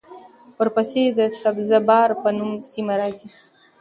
ورپسې د سبزه بار په نوم سیمه راغلې